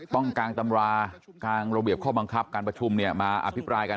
กลางตำรากางระเบียบข้อบังคับการประชุมเนี่ยมาอภิปรายกัน